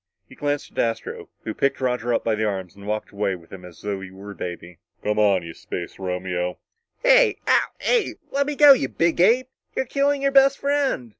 He glanced at Astro, who picked Roger up in his arms and walked away with him as though he were a baby. "Come on, you space Romeo!" said Astro. "Hey ouch hey lemme go, ya big ape. You're killing your best friend!"